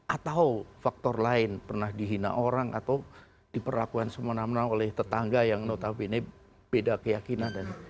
atau faktor lain pernah dihina orang atau diperlakukan semena mena oleh tetangga yang notabene beda keyakinan